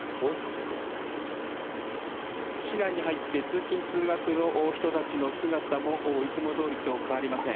市内に入って通勤通学の人たちの姿もいつもどおりと変わりません。